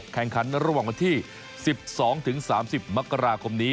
แข่งขันระหว่างวันที่๑๒๓๐มกราคมนี้